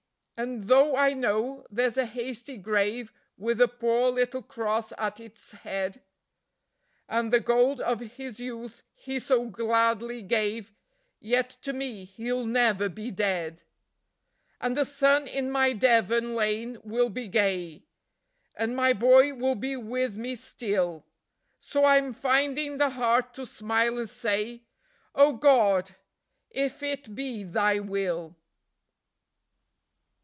And though I know there's a hasty grave with a poor little cross at its head, And the gold of his youth he so gladly gave, yet to me he'll never be dead. And the sun in my Devon lane will be gay, and my boy will be with me still, So I'm finding the heart to smile and say: "Oh God, if it be Thy Will!"